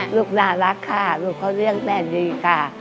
ลูกน่ารักค่ะลูกเขาเลี้ยงแม่ดีค่ะ